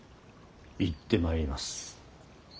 行ってまいります。